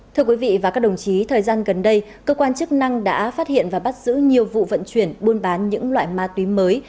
thưa quý vị và các đồng chí thời gian gần đây cơ quan chức năng đã phát hiện và bắt giữ nhiều vụ vận chuyển buôn bán những loại ma túy mới